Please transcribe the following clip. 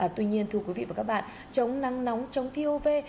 tuy nhiên thưa quý vị và các bạn chống nắng nóng chống thiêu vê